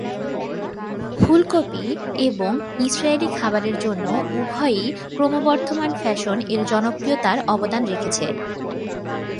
ফুলকপি এবং ইস্রায়েলি খাবারের জন্য উভয়ই ক্রমবর্ধমান ফ্যাশন এর জনপ্রিয়তায় অবদান রেখেছে।